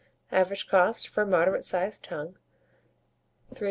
Average cost, for a moderate sized tongue, 3s.